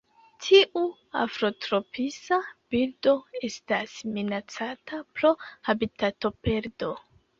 Tiu afrotropisa birdo estas minacata pro habitatoperdo.